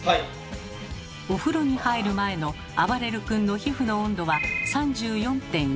お風呂に入る前のあばれる君の皮膚の温度は３４．１℃。